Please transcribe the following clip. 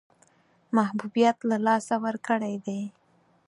محبوبیت له لاسه ورکړی دی.